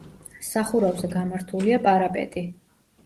სახურავზე გამართულია პარაპეტი.